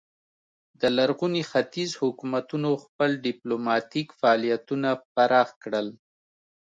د لرغوني ختیځ حکومتونو خپل ډیپلوماتیک فعالیتونه پراخ کړل